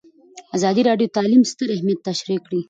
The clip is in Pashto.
ازادي راډیو د تعلیم ستر اهميت تشریح کړی.